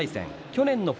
去年の冬